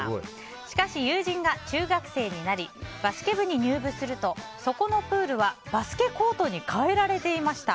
しかし、友人が中学生になりバスケ部に入部するとそこのプールはバスケコートに変えられていました。